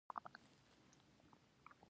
د اقتصاد وزارت پرمختیايي اهداف لري؟